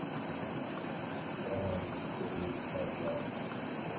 boo nafikiri probleme ee